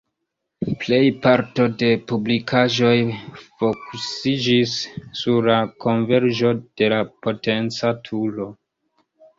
Plej parto de publikaĵoj fokusiĝis sur la konverĝo de la potenca turo.